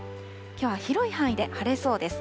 きょうは広い範囲で晴れそうです。